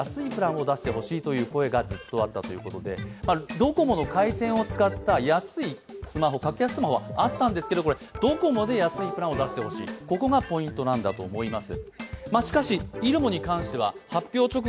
ドコモの回線を使った安いスマホ、格安スマホはあったんですがドコモで安いプランを出してほしい、ここがポイントなんだと思います。